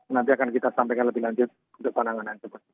nanti akan kita sampaikan lebih lanjut untuk penanganan seperti ini